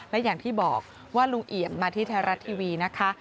และอย่างที่บอกว่าลุงเอี่ยมมาที่ไทยรัฐทีวีนะคะ